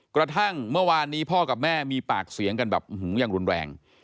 กระทั่งเมื่อวานนี้พ่อกับแม่มีปากเสียงกันแบบยังรุนแรง